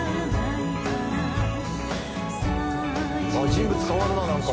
「人物変わるなあなんか」